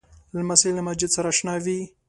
لمسی له مسجد سره اشنا وي.